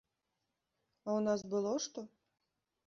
А ў нас было што?